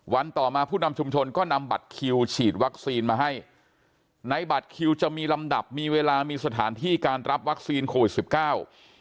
ต่อมาผู้นำชุมชนก็นำบัตรคิวฉีดวัคซีนมาให้ในบัตรคิวจะมีลำดับมีเวลามีสถานที่การรับวัคซีนโควิดสิบเก้า